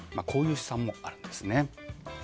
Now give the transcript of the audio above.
こういう試算もあるんですね。